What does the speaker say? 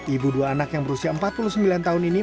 ibu dua anak yang berusia empat puluh sembilan tahun ini